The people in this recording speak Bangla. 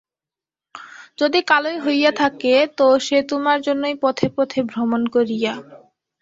যদি কালোই হইয়া থাকে তো সে তোমার জন্যই পথে পথে ভ্রমণ করিয়া।